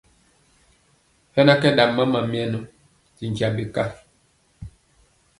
Hɛ na kɛ ɗam mama mɛnɔ ti nkyambe ka.